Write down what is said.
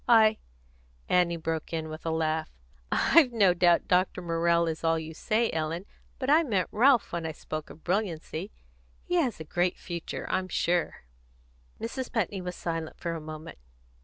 I " Annie broke in with a laugh. "I've no doubt Dr. Morrell is all you say, Ellen, but I meant Ralph when I spoke of brilliancy. He has a great future, I'm sure." Mrs. Putney was silent for a moment.